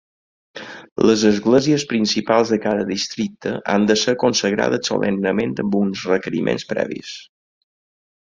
Les esglésies principals de cada districte han d'ésser consagrades solemnement, amb uns requeriments previs.